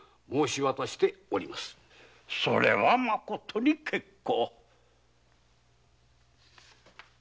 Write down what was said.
それはまことに結構。